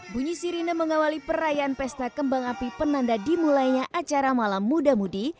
bunyi sirine mengawali perayaan pesta kembang api penanda dimulainya acara malam muda mudi